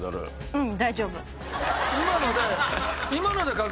うん。